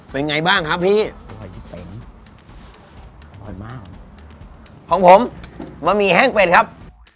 เป็นไงบ้างครับพี่อร่อยยี่เป็งอร่อยมากของผมบะหมี่แห้งเป็ดครับ